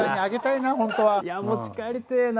いや持ち帰りてえな。